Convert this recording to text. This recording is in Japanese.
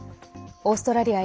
オーストラリア